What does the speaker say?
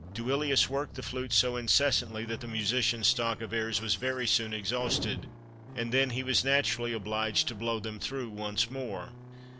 Duilius worked the flute so incessantly that the musician's stock of airs was very soon exhausted, and then he was naturally obliged to blow them through once more.